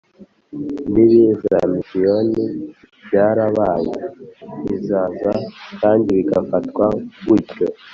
mbibi za misiyoni byarabaye i Zaza kandi bigafatwa gutyo